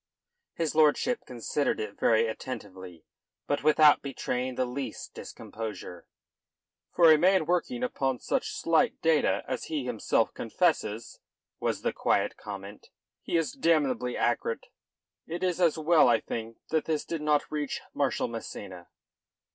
His lordship considered it very attentively, but without betraying the least discomposure. "For a man working upon such slight data as he himself confesses," was the quiet comment, "he is damnably accurate. It is as well, I think, that this did not reach Marshal Massena."